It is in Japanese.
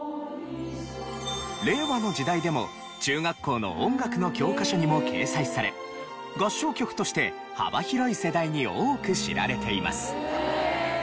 令和の時代でも中学校の音楽の教科書にも掲載され合唱曲として幅広い世代に多く知られています。